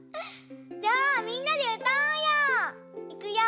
じゃあみんなでうたおうよ！